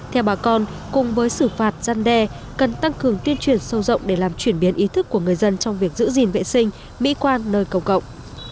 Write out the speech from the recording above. theo bà con cùng với xử phạt giăn đe cần tăng cường tuyên truyền sâu rộng để làm chuyển biến ý thức của người dân trong việc giữ gìn vệ sinh mỹ quan nơi công cộng